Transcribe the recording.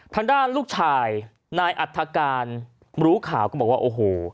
ทางด้านลูกชายนายอัฐการรู้ข่าวก็บอกว่าโอ้โห